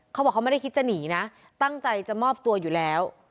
เขาบอกเขาไม่ได้คิดจะหนีนะตั้งใจจะมอบตัวอยู่แล้ว